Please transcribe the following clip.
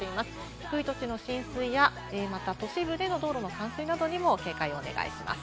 低いところの浸水や都市部での道路の冠水などにも警戒をお願いします。